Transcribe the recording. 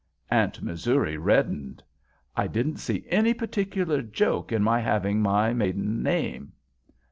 Aunt Missouri reddened. "I don't see any particular joke in my having my maiden name."